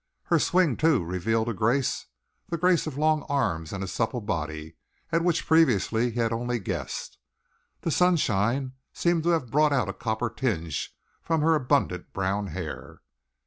Her swing, too, revealed a grace, the grace of long arms and a supple body, at which previously he had only guessed. The sunshine seemed to have brought out a copper tinge from her abundant brown hair.